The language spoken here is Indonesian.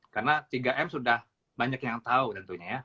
karena tiga m sudah banyak yang tahu tentunya ya